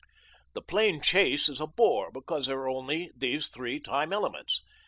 The plain chase is a bore because there are only these three time elements.